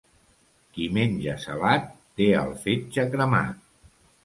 Qui menja salat té el fetge cremat.